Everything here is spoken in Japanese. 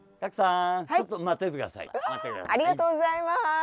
ありがとうございます。